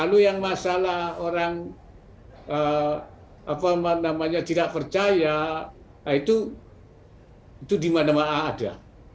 lalu yang masalah orang tidak percaya itu dimana mana ada